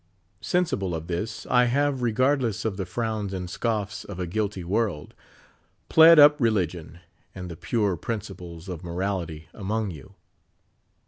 Sensible of this, I have, regardless of the frowns and scoffs of a guilty world, plead up religion and the pure principles of morality among you.